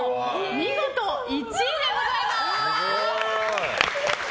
見事１位でございます！